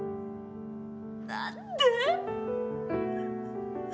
何で。